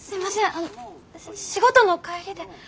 あの仕事の帰りで。